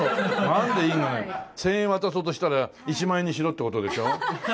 １０００円渡そうとしたら１万円にしろって事でしょ？